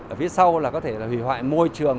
ở phía sau là có thể là hủy hoại môi trường